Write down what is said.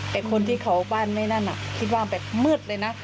แต่คนที่เขาบ้านไม่นั่นคิดว่าแบบมืดเลยนะ